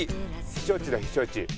避暑地だ避暑地。